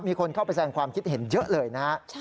มีคนเข้าไปแสงความคิดเห็นเยอะเลยนะฮะ